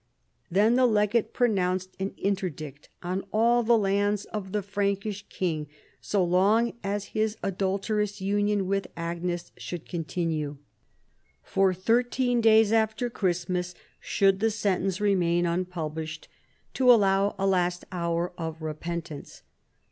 Then the legate pronounced an interdict on all the lands of the Frankish king so long as his adulterous union with Agnes should continue. For thirteen days after Christmas should the sentence remain unpublished, to allow a last hour of repentance.